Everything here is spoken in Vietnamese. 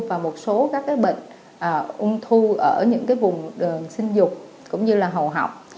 và một số các cái bệnh ung thư ở những cái vùng sinh dục cũng như là hầu học